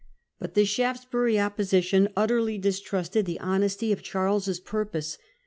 But the Shaftesbui'y Opposition utterly distrusted the honesty of Charles's purpose.